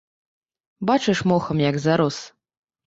Бачыш, мохам як зарос.